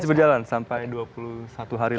masih berjalan sampai dua puluh satu hari